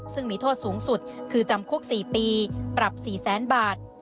ซึ่งมีโทษสูงสุดคือจำคุก๔ปีปรับ๔แสนบาท